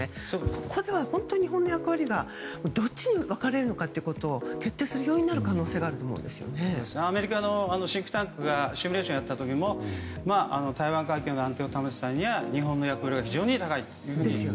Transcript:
ここでは本当に日本の役割がどっちに分かれるのかということを決定するアメリカのシンクタンクがシミュレーションをやった時も台湾海峡の安定を保つためには日本の役割が非常に高いと。